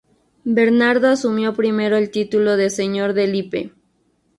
Bernardo asumió primero el título de Señor de Lippe.